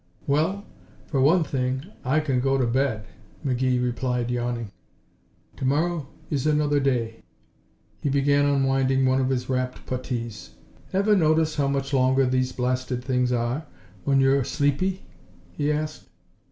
"Well, for one thing I can go to bed," McGee replied yawning. "To morrow is another day." He began unwinding one of his wrapped puttees. "Ever notice how much longer these blasted things are when you are sleepy?" he asked.